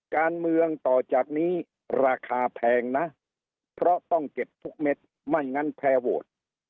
การเมืองต่อจากนี้ราคาแพงนะเพราะต้องเก็บทุกเม็ดไม่งั้นแพร่โหวต